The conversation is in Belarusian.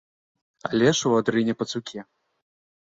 Але ж у адрыне пацукі.